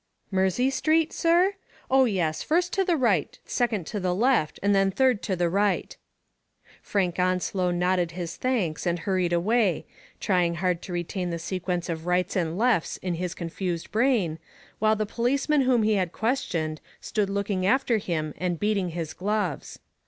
''Mersey Street, sir? Oh, yes; first to the right, second to the left, and then third to the right/' Frank Onslow nodded his thanks and hurried away, trying hard to retain the sequence of rights and lefts in his confused brain ; while the police man whom he had questioned stood looking after him and beating his gloves.